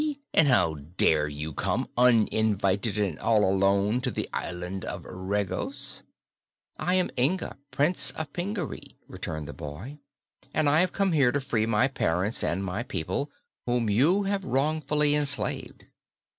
And how dare you come, uninvited and all alone, to the Island of Regos?" "I am Inga, Prince of Pingaree," returned the boy, "and I have come here to free my parents and my people, whom you have wrongfully enslaved."